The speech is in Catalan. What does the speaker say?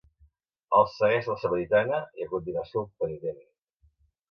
El segueix la Samaritana i a continuació el penitent.